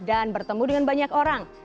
dan bertemu dengan banyak orang